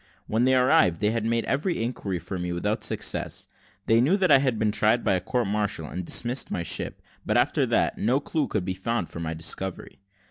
When they arrived, they had made every inquiry for me without success: they knew that I had been tried by a court martial and dismissed my ship, but after that, no clue could be found for my discovery.